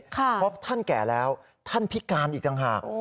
เพราะท่านแก่แล้วท่านพิการอีกต่างหาก